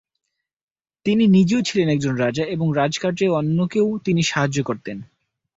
তিনি নিজেও ছিলেন একজন রাজা এবং রাজকার্যে অন্যকেও তিনি সাহায্য করেন।